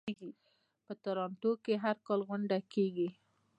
په تورنټو کې هر کال غونډه کیږي.